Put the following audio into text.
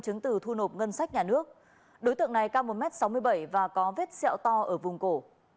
chứng từ thu nộp ngân sách nhà nước đối tượng này cao một m sáu mươi bảy và có vết xẹo to ở vùng cổ